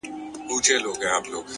په سپينه زنه كي خال ووهي ويده سمه زه.